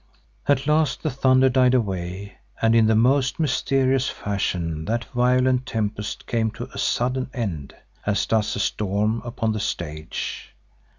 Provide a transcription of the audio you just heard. At last the thunder died away and in the most mysterious fashion that violent tempest came to a sudden end, as does a storm upon the stage.